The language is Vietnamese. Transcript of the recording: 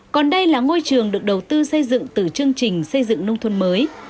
còn đây là ngôi trường được đầu tư xây dựng từ chương trình xây dựng nông thôn mới